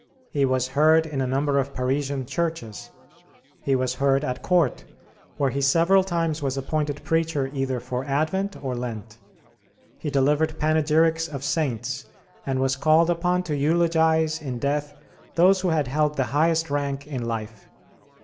He was heard in a number of Parisian churches; he was heard at court, where he several times was appointed preacher either for Advent or Lent; he delivered panegyrics of saints, and was called upon to eulogize in death those who had held the highest rank in life.